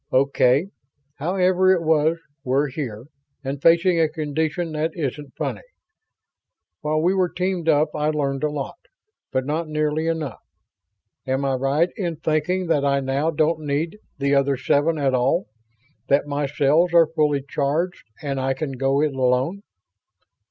"Okay. However it was, we're here, and facing a condition that isn't funny. While we were teamed up I learned a lot, but not nearly enough. Am I right in thinking that I now don't need the other seven at all that my cells are fully charged and I can go it alone?"